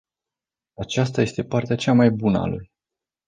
Aceasta este partea cea mai bună a lui.